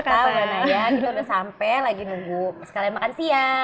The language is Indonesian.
kita udah sampai lagi nunggu sekalian makan siang